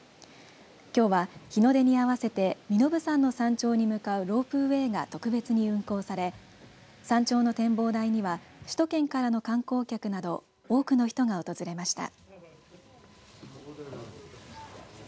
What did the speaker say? きょうは、日の出に合わせて身延山の山頂に向かうロープウエーが特別に運行され山頂の展望台には首都圏からの観光客など多くの人が訪れました。